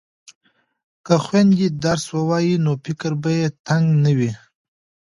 که خویندې درس ووایي نو فکر به یې تنګ نه وي.